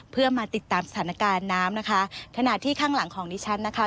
เพื่อมาติดตามสถานการณ์น้ำนะคะขณะที่ข้างหลังของดิฉันนะคะ